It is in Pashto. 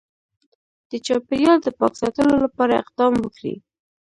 د چاپیریال د پاک ساتلو لپاره اقدام وکړي